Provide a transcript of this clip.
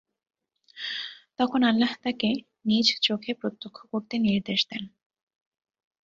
তখন আল্লাহ্ তাকে তা নিজ চোখে প্রত্যক্ষ করতে নির্দেশ দেন।